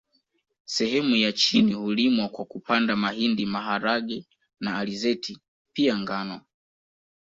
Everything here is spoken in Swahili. Sehemu ya chini hulimwa kwa kupanda mahindi maharagwe na alizeti pia ngano